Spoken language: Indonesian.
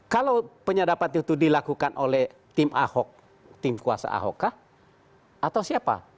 kalau penyadapan itu dilakukan oleh tim ahok tim kuasa ahok kah atau siapa